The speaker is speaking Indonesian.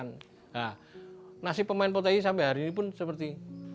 nah nasib pemain potehi sampai hari ini pun seperti